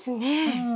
うん。